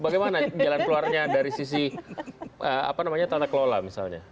bagaimana jalan keluarnya dari sisi tata kelola misalnya